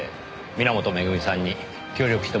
皆本恵美さんに協力してもらいました。